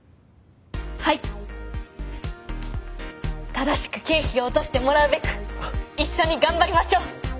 正しく経費を落としてもらうべく一緒に頑張りましょう。